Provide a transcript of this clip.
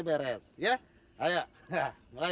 beres ya ya ngelain